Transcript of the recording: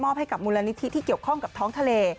ให้กับมูลนิธิที่เกี่ยวข้องกับท้องทะเล